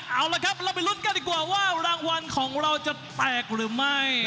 เอาละครับเราไปลุ้นกันดีกว่าว่ารางวัลของเราจะแตกหรือไม่